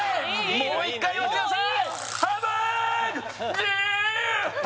もう一回言わしてください